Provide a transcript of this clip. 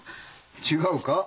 違うか？